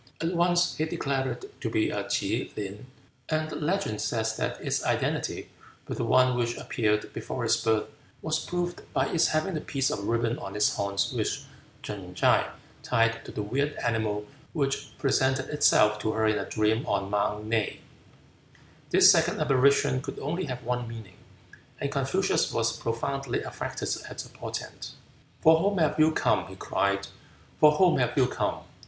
At once he declared it to be a K'e lin, and legend says that its identity with the one which appeared before his birth was proved by its having the piece of ribbon on its horn which Ching tsae tied to the weird animal which presented itself to her in a dream on Mount Ne. This second apparition could only have one meaning, and Confucius was profoundly affected at the portent. "For whom have you come?" he cried, "for whom have you come?"